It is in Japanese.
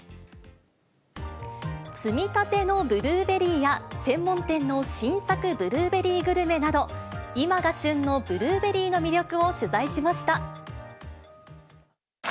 摘みたてのブルーベリーや専門店の新作ブルーベリーグルメなど、今が旬のブルーベリーの魅力を取材しました。